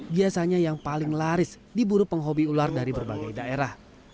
biasanya yang paling laris diburu penghobi ular dari berbagai daerah